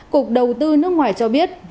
cục đầu tư nước ngoài cho biết